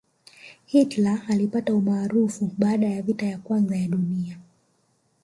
hitler alipata umaarufu baada ya vita vya kwanza ya dunia